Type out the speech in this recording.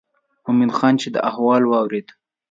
مومن خان چې دا احوال واورېد.